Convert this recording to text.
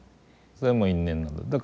それはもう因縁なんだ。